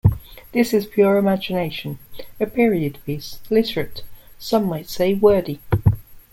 This is pure imagination, a period piece, literate - some might say wordy.